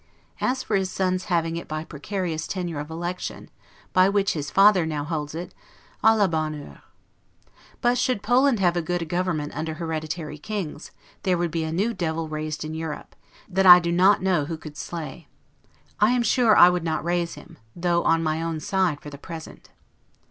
As for his sons having it by the precarious tenure of election, by which his father now holds it, 'a la bonne heure'. But, should Poland have a good government under hereditary kings, there would be a new devil raised in Europe, that I do not know who could lay. I am sure I would not raise him, though on my own side for the present.